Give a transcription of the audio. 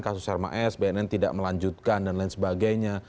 kasus herma s bnn tidak melanjutkan dan lain sebagainya